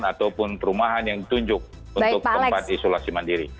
ataupun perumahan yang ditunjuk untuk tempat isolasi mandiri